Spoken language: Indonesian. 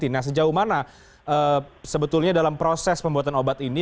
nah sejauh mana sebetulnya dalam proses pembuatan obat ini